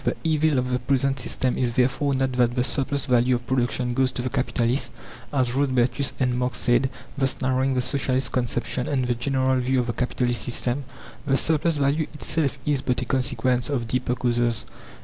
The evil of the present system is therefore not that the "surplus value" of production goes to the capitalist, as Rodbertus and Marx said, thus narrowing the Socialist conception and the general view of the capitalist system; the surplus value itself is but a consequence of deeper causes.